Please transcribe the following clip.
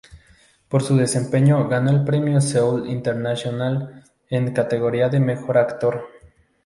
Por su desempeñó ganó el premio Seoul International en la categoría de mejor actor.